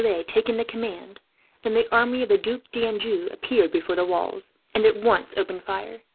Scarcely had De Piles taken the command than the army of the Duc d'Anjou appeared before the walls, and at once opened fire.